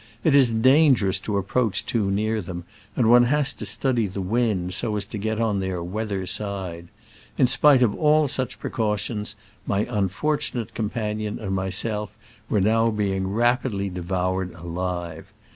It is dangerous to approach too near them, and one has to study the wind, so as to get on their weather side : in spite of all such pre cautions my unfortunate companion and myself were now being rapidly devoured alive.